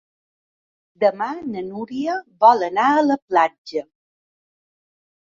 Demà na Núria vol anar a la platja.